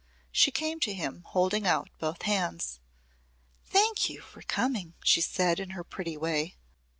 She came to him holding out both hands. "Thank you for coming," she said in her pretty way.